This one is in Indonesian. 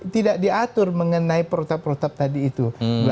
tidak diatur mengenai protap protap tadi itu